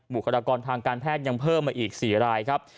บุคลากรทางการแพทย์ยังเพิ่มมาอีก๔รายครับ